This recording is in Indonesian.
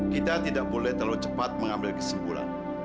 kita tidak boleh terlalu cepat mengambil kesimpulan